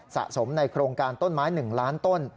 สะสมในโครงการต้นไม้๑ล้านต้น